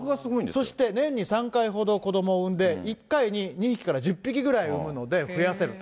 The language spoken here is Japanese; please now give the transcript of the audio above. そして、年に３回ほど、子どもを産んで１回に２匹から１０匹ぐらい産むので、増やせると。